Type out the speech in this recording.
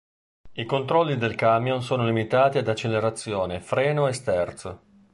I controlli del camion sono limitati ad accelerazione, freno e sterzo.